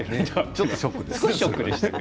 ちょっとショックですよね